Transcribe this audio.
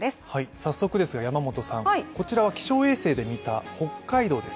早速ですが、山本さんこちらは気象衛星で見た北海道です。